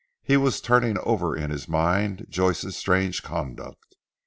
He was turning over in his mind Joyce's strange conduct.